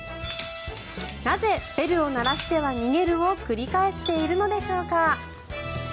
なぜベルを鳴らしては逃げるを繰り返しているのでしょうか。